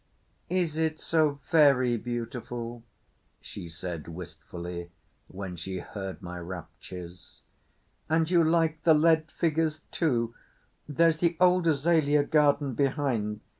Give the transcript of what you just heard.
"Is it so very beautiful?" she said wistfully when she heard my raptures. "And you like the lead figures too? There's the old azalea garden behind.